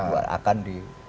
bahwa akan di